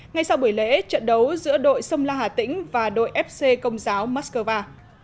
ngay sau buổi lễ trận đấu giữa đội sông la hà tĩnh và đội fc công giáo moscow